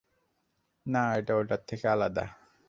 না, এটা ওটার থেকে আলাদা!